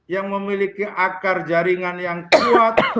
yang memiliki akar jaringan yang kuat